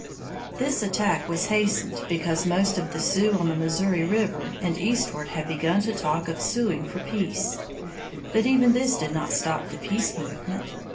"This attack was hastened because most of the Sioux on the Missouri River and eastward had begun to talk of suing for peace. But even this did not stop the peace movement.